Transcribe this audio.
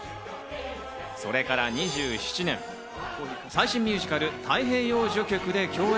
それから２７年、最新ミュージカル『太平洋序曲』で共演。